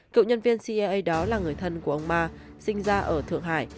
cựu nhân viên cia đó là người thân của ông ma sinh ra ở thượng hải